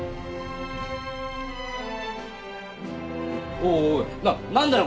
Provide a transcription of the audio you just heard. おいおいな何だよ？